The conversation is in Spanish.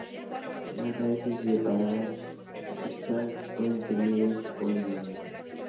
Las raíces de las palabras quechuas pueden ser libres o ligadas.